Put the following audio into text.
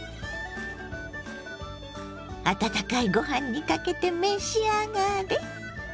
温かいご飯にかけて召し上がれ。